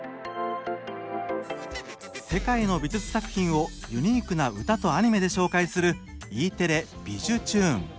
世界の美術作品をユニークな歌とアニメで紹介するＥテレ「びじゅチューン！」。